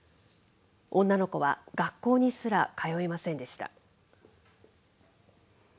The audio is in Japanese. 女の子は学校にすら通えませんでした。